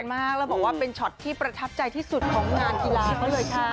แล้วบอกว่าเป็นช็อตที่ประทับใจที่สุดของงานกีฬาเขาเลยค่ะ